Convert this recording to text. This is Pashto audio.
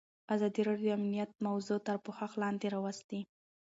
ازادي راډیو د امنیت موضوع تر پوښښ لاندې راوستې.